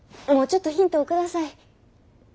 もうちょっとヒントをください。